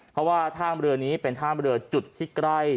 เพราะว่าท่ามเรือนี้เป็นท่ามเรือจุดที่ใกล้